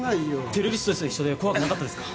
テロリストたちと一緒で怖くなかったですか？